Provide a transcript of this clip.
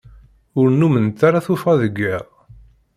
Ur nnument ara tuffɣa deg iḍ.